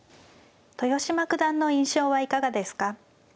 豊島九段の印象はいかがですか。